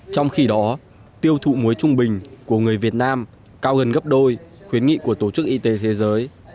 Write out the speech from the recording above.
trong khi đó tiêu thụ muối trung bình của người việt nam cao gần gấp đôi khuyến nghị của tổ chức y tế thế giới